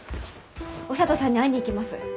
お聡さんに会いに行きます。